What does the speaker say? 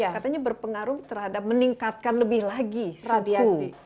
katanya berpengaruh terhadap meningkatkan lebih lagi radiasi